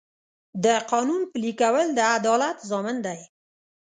د قانون پلي کول د عدالت ضامن دی.